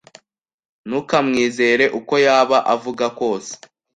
Ntukamwizere, uko yaba avuga kose.